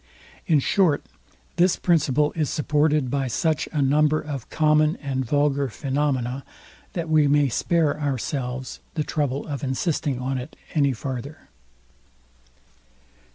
In short, this principle is supported by such a number of common and vulgar phaenomena, that we may spare ourselves the trouble of insisting on it any farther.